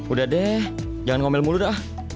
udah deh jangan ngomel mulu dah